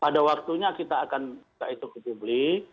pada waktunya kita akan buka itu ke publik